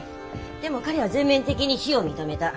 でも彼は全面的に非を認めた。